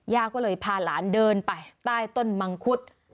ย่าก็เลยพาหลานเดินไปใต้ต้นมังคุด